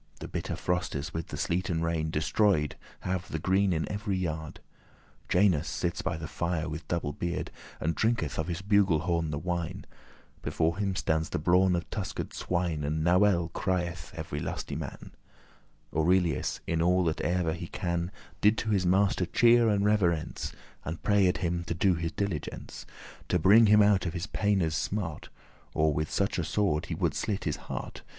The bitter frostes, with the sleet and rain, Destroyed have the green in every yard. *courtyard, garden Janus sits by the fire with double beard, And drinketh of his bugle horn the wine: Before him stands the brawn of tusked swine And "nowel"* crieth every lusty man *Noel <18> Aurelius, in all that ev'r he can, Did to his master cheer and reverence, And prayed him to do his diligence To bringe him out of his paines smart, Or with a sword that he would slit his heart.